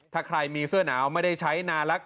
ถ้าใครมีเสื้อหนาวไม่ได้ใช้นาลักษ